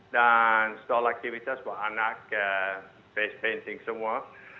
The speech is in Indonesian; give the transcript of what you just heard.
dan stall aktivitas buat anak face painting semua